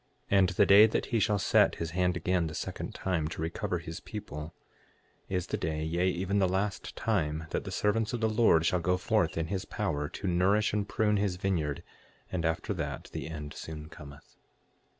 6:2 And the day that he shall set his hand again the second time to recover his people, is the day, yea, even the last time, that the servants of the Lord shall go forth in his power, to nourish and prune his vineyard; and after that the end soon cometh.